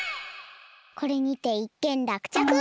これにていっけんらくちゃく！